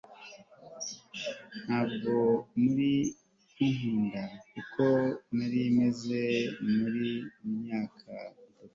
ntabwo wari kunkunda nkuko nari meze mu myaka itatu ishize